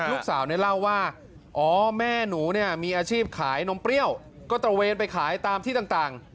ลูกสาวเนี่ยเล่าว่าอ๋อแม่หนูเนี่ยมีอาชีพขายนมเปรี้ยวก็ตระเวนไปขายตามที่ต่าง